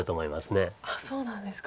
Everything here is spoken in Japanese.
そうなんですか。